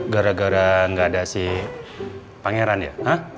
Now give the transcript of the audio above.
gara gara gak ada si pangeran ya